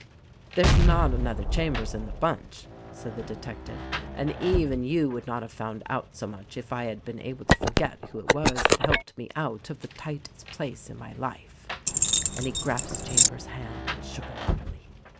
'There's not another Chambers in the bunch," said the detective, "and even you would not have found out so much if I had been able to forget who it was that helped me out of the tightest place in my life " and he grasped Cham bers' hand and shook it heartily.